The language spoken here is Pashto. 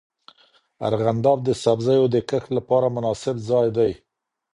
ارغنداب د سبزیو د کښت لپاره مناسب ځای دی.